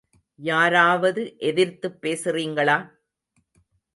யாராவது எதிர்த்துப் பேசுறிங்களா?